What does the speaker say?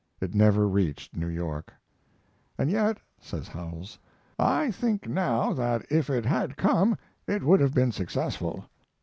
It never reached New York. "And yet," says Howells, "I think now that if it had come it would have been successful.